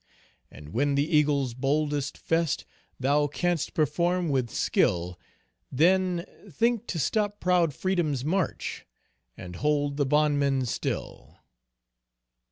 And when the eagle's boldest fest, Thou canst perform with skill, Then, think to stop proud freedom's march, And hold the bondman still.